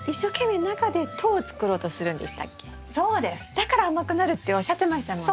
だから甘くなるっておっしゃってましたものね。